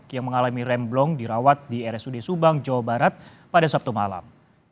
yang mengalami remblong dirawat di rsud subang jawa barat pada sabtu malam